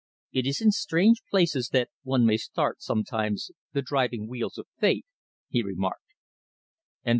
"It is in strange places that one may start sometimes the driving wheels of Fate," he remarked.